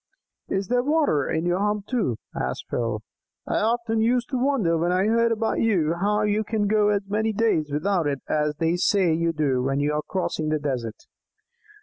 "Is there water in your hump, too?" asked Phil. "I often used to wonder when I heard about you how you can go as many days without it as they say you do when you are crossing the desert."